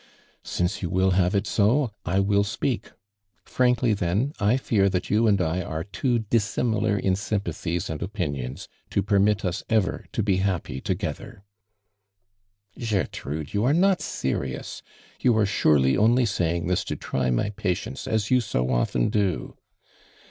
" Since you will have it so, I will speak. Vrankly, then, I fear that you and I are too tlissimilar in .sympathies and opinions to permit us ever to be happy together I" "Gertrude, you are not serious I You are aurely only saying this to try my patienca as you so often do."